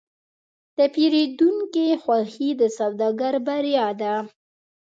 د پیرودونکي خوښي د سوداګر بریا ده.